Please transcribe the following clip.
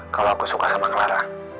kalau aku suka sama clara